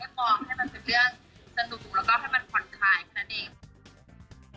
มองให้มันเป็นเรื่องสนุกแล้วก็ให้มันผ่อนคลายแค่นั้นเอง